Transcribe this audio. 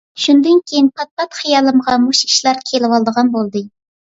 شۇندىن كېيىن پات-پات خىيالىمغا مۇشۇ ئىشلار كېلىۋالىدىغان بولدى.